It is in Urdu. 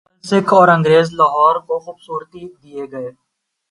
مغل، سکھ اور انگریز لاہور کو خوبصورتی دے گئے۔